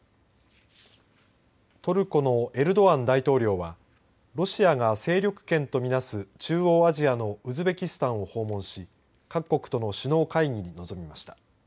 トルコのエルドアン大統領はロシアが勢力圏と見なす中央アジアのウズベキスタンを訪問し各国との首脳会議に臨みました。